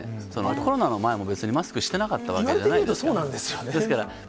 コロナの前も別にマスクしてなかったわけじゃないですからね。